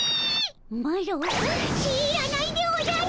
マロ知らないでおじゃる。